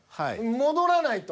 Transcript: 戻らないと。